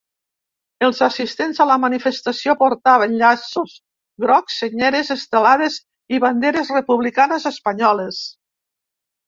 Els assistents a la manifestació portaven llaços grocs, senyeres, estelades i banderes republicanes espanyoles.